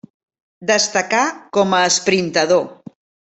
Destacà com a esprintador.